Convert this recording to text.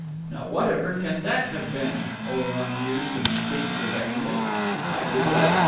"Now whatever can that have been?" Oleron mused as he stood surveying it.... "I give it up.